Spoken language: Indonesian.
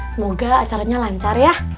semoga acaranya lancar ya